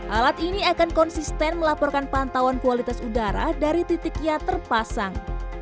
alat ini akan konsisten melaporkan pantauan kualitas udara dari titik yang terpasang